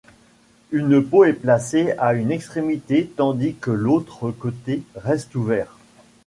Une peau est placée à une extrémité tandis que l'autre côté reste ouvert.